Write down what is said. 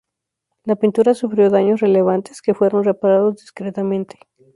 La pintura sufrió daños relevantes, que fueron reparados discretamente.